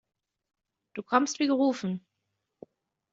Du kommst wie gerufen.